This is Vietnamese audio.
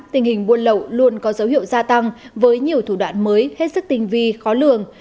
tình hình buôn lậu luôn có dấu hiệu gia tăng với nhiều thủ đoạn mới hết sức tinh vi khó lường